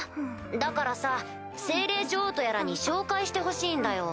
だからさ精霊女王とやらに紹介してほしいんだよ。